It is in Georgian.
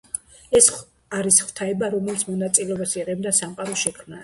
ეს არის ღვთაება, რომელიც მონაწილეობას იღებდა სამყაროს შექმნაში.